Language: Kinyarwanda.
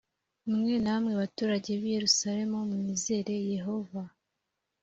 mwe namwe baturage b’i yerusalemu mwizere yehova